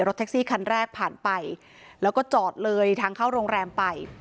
แท็กซี่คันแรกผ่านไปแล้วก็จอดเลยทางเข้าโรงแรมไป